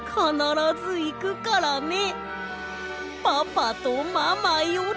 パパとママより」。